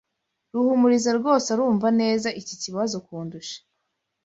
Ruhumuriza rwose arumva neza iki kibazo kundusha.